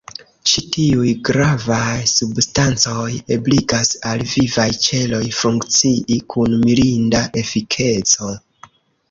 Ĉi tiuj gravaj substancoj ebligas al vivaj ĉeloj funkcii kun mirinda efikeco.